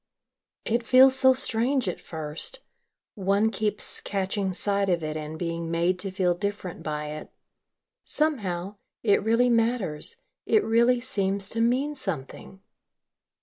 "It feels so strange at first. One keeps catching sight of it and being made to feel different by it. Somehow, it really matters, it really seems to mean something."